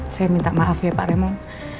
saya minta maaf ya pak remong